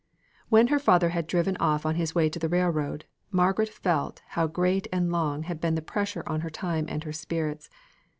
When her father had driven off on his way to the railroad, Margaret felt how great and long had been the pressure on her time and her spirits.